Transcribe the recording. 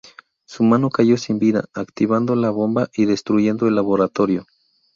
Su mano cayó sin vida, activando la bomba y destruyendo el laboratorio.